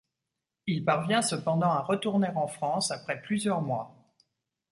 Il parvient cependant à retourner en France après plusieurs mois...